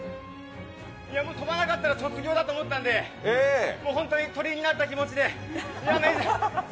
もう飛ばなかったら卒業だと思ったのでホントに鳥になった気持ちで。